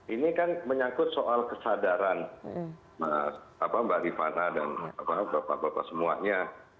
ini kan menyangkut soal kesadaran mbak rifana dan bapak bapak semuanya